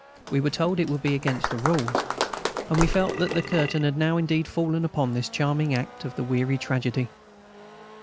We were told it would be against the rules, and we felt that the curtain had now indeed fallen upon this charming act of the weary tragedy.